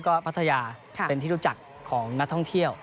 ก็พัทยาเป็นที่รู้จักของนักท่องเที่ยว